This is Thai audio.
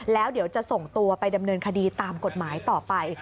แล้วเดี๋ยวจะส่งตัวไปดำเนินคดีตามกฎหมายต่อไป